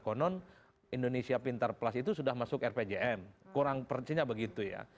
konon indonesia pintar plus itu sudah masuk rpjm kurang percinya begitu ya